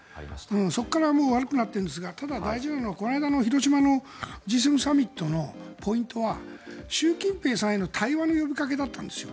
そこから悪くなっているんですがただ、大事なのはこの間の広島のＧ７サミットのポイントは習近平さんへの対話の呼びかけだったんですよ。